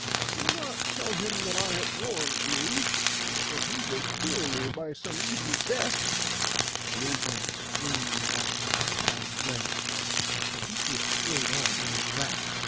'Do not tell him that I have warned you, or he will kill me by some evil death;' and the old man screamed after him down the glen; but Theseus strode on in his wrath.